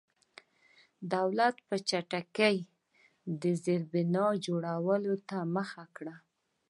دولت په چټکۍ د زېربنا جوړولو ته مخه کړه.